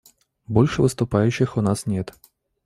Больше выступающих у нас нет.